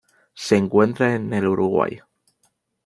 Se encuentra en el Uruguay.